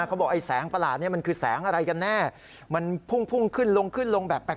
เขาบอกไอ้แสงประหลาดนี้มันคือแสงอะไรกันแน่มันพุ่งขึ้นลงขึ้นลงแบบแปลก